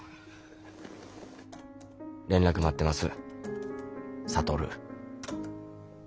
連絡待ってます。